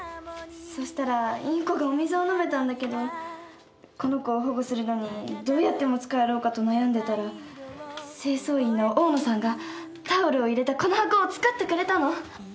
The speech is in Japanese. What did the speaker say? そしたらインコがお水を飲めたんだけどこの子を保護するのにどうやって持ち帰ろうかと悩んでたら清掃員のオオノさんがタオルを入れたこの箱を作ってくれたの。